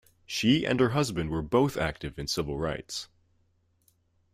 She and her husband were both active in civil rights.